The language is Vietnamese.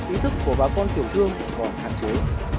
ý thức của bà con tiểu thương còn hạn chế